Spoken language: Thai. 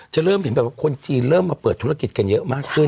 ความเชียวว่าคนจีนเริ่มมาเปิดธุรกิจกันเยอะมากขึ้น